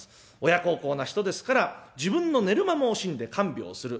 親孝行な人ですから自分の寝る間も惜しんで看病する。